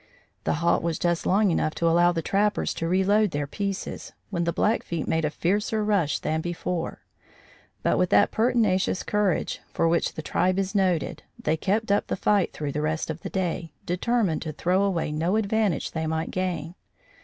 The halt was just long enough to allow the trappers to reload their pieces, when the Blackfeet made a fiercer rush than before; but with that pertinacious courage for which the tribe is noted, they kept up the fight through the rest of the day, determined to throw away no advantage they might gain.